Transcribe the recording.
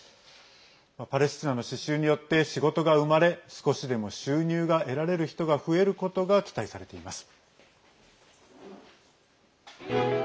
パレスチナの刺しゅうによって仕事が生まれ少しでも収入が得られる人が増えることが期待されています。